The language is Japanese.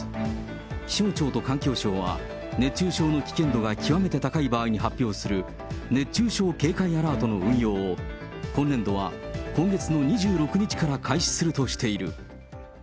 気象庁と環境省は熱中症の危険度が極めて高い場合に発表する、熱中症警戒アラートの運用を今年度は今月の２６日から開始するとしている。